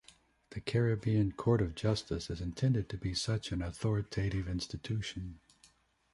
The Caribbean Court of Justice is intended to be such an authoritative institution.